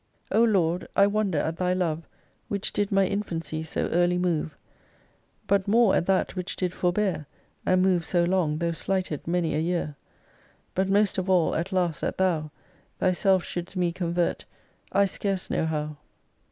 3 O Lord, I wonder at Thy love, Which did my infancy so early move : But more at that which did forbear And move so long, though slighted many a year : But most of all, at last that Thou Thyself shouldst me convert, I scarce know how.